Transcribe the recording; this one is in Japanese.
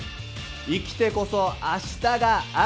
生きてこそ明日がある。